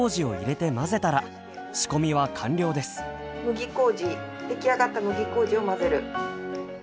麦麹出来上がった麦麹を混ぜる。